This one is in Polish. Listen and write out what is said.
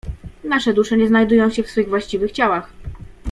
"Nasze dusze nie znajdują się w swych właściwych ciałach."